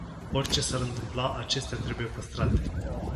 Orice s-ar întâmpla, acestea trebuie păstrate.